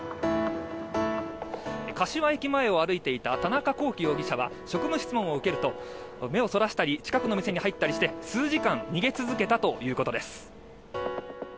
柏駅前を歩いていた田中容疑者は職務質問を受けると目をそらしたり近くの店に入ったりして数時間逃げ続けたということです。